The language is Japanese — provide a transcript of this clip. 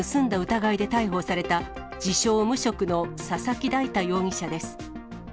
疑いで逮捕された、自称無職の佐々木大太容疑者です。